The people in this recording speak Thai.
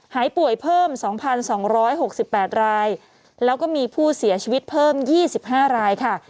หายป่วยเพิ่ม๒๒๖๘รายแล้วก็มีผู้เสียชีวิตเพิ่ม๒๕รายค่ะ